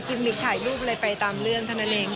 มิกถ่ายรูปอะไรไปตามเรื่องเท่านั้นเอง